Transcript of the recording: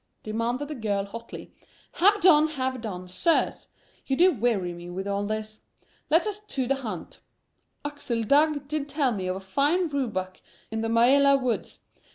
demanded the girl, hotly. "Have done, have done, sirs! You do weary me with all this. Let us to the hunt. Axel Dagg did tell me of a fine roebuck in the Maelar woods.